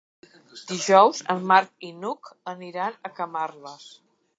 Dijous en Marc i n'Hug aniran a Camarles.